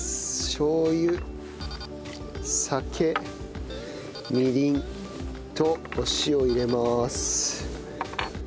しょう油酒みりんとお塩入れます。